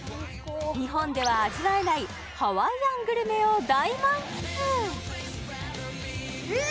日本では味わえないハワイアングルメを大満喫えっ？